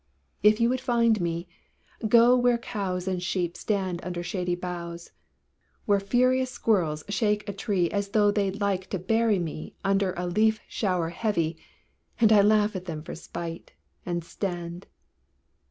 If you would find me, go where cows And sheep stand under shady boughs; Where furious squirrels shake a tree As though they'd like to bury me Under a leaf shower heavy, and I laugh at them for spite, and stand.